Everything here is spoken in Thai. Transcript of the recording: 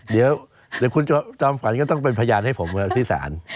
เดี๋ยวคุณจอมฝันก็ต้องเป็นพยานให้ผมที่ศาล